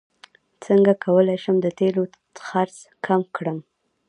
څنګه کولی شم د تیلو خرڅ کم کړم